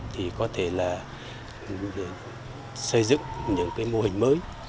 thì có thể là xây dựng những cái mô hình mới